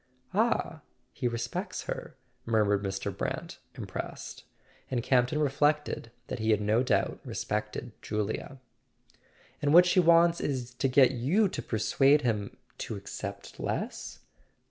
"Ah, he respects her," murmured Mr. Brant, im¬ pressed; and Camp ton reflected that he had no doubt respected Julia. "And what she wants is to get you to persuade him —to accept less?"